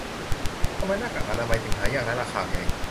ทำไมหน้ากากอนามัยถึงหายากและราคาแพง